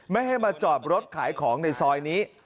ไม่ให้มาจอดรถขายของในซอยนี้